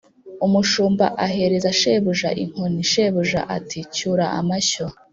umushumba ahereza shebuja inkoni, shebuja ati: “cyura amashyo”,